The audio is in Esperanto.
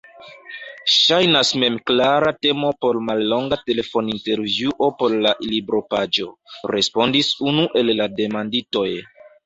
Ŝajnas memklara temo por mallonga telefonintervjuo por la libropaĝo, respondis unu el la demanditoj.